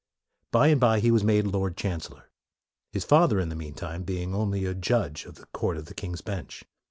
MORE 35 By and by, he was made Lord Chan cellor; his father, in the meantime, be ing only a judge of the Court of the King's Bench.